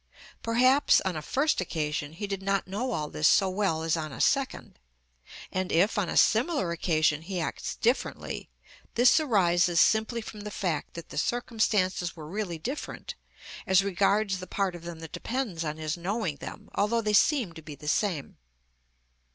Perhaps, on a first occasion, he did not know all this so well as on a second; and if, on a similar occasion, he acts differently, this arises simply from the fact that the circumstances were really different, as regards the part of them that depends on his knowing them, although they seem to be the same.